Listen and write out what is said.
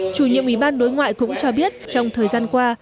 chủ nhiệm ủy ban đối ngoại cũng cho biết trong thời gian qua